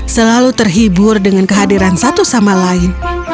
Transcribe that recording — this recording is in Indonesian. selalu terhibur dengan kehadiran satu sama lain